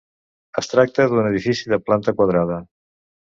Es tracta d'un edifici de planta quadrada.